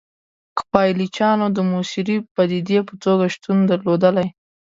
که پایلوچانو د موثري پدیدې په توګه شتون درلودلای.